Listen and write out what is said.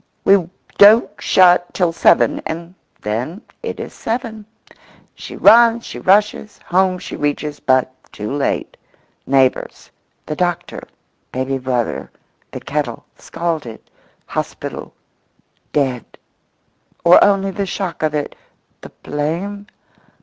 "We don't shut till seven," and then it is seven. She runs, she rushes, home she reaches, but too late. Neighbours—the doctor— baby brother—the kettle—scalded—hospital—dead—or only the shock of it, the blame?